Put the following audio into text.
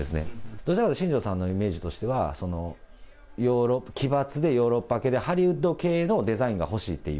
どちらかというと、新庄さんのイメージとしては、奇抜でヨーロッパ系で、ハリウッド系のデザインが欲しいっていう。